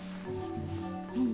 うん。